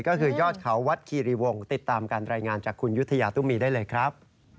ก็คือยอดเขาวัดคีรีวงศ์ติดตามการรายงานจากคุณยุธยาตุ้มีได้เลยครับ